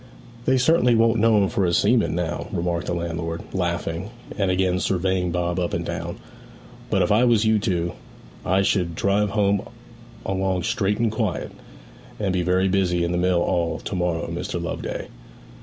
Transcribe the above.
'They certainly won't know him for a seaman now,' remarked the landlord, laughing, and again surveying Bob up and down. 'But if I was you two, I should drive home along straight and quiet; and be very busy in the mill all to morrow, Mr. Loveday.'